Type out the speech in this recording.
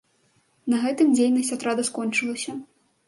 На гэтым дзейнасць атрада скончылася.